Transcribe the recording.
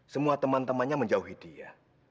semua teman temannya menjauhi dia